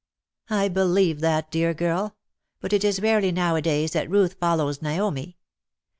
^^'' I believe that, dear girl ; but it is rarely now a days that Ruth follows Naomi.